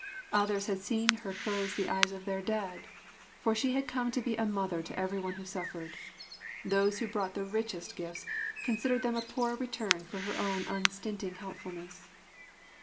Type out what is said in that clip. Others had seen her close the eyes of their dead—for she had come to be a mother to every one who suffered. Those who brought the richest gifts considered them a poor return for her own unstinting helpfulness.